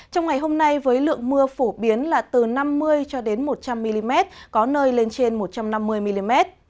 trong ngày hôm nay với lượng mưa phổ biến là từ năm mươi cho đến một trăm linh mm có nơi lên trên một trăm năm mươi mm